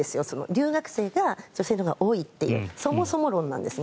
留学生が女性のほうが多いというそもそも論なんですね。